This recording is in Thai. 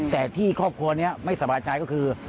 แต่ที่ครอบครัวนี้ไม่สบายใจก็คือ